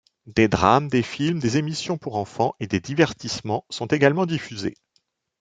Des drames, des films, des émissions pour enfants et des divertissements sont également diffusés.